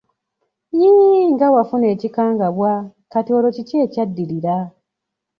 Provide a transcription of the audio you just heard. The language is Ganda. Yii nga wafuna ekikangabwa, kati olwo kiki ekyadirira?